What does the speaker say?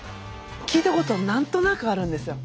聞いたこと何となくあるんですよ。